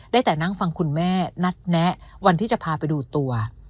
ได้แต่นั่งฟังคุณแม่นัดแนะวันที่จะพาไปดูตัว